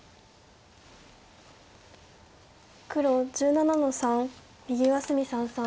黒１７の三右上隅三々。